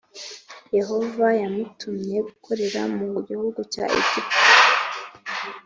yehova yamutumye gukorera mu gihugu cya egiputa,